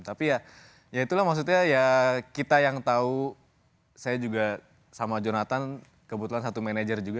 tapi ya itulah maksudnya ya kita yang tahu saya juga sama jonathan kebetulan satu manajer juga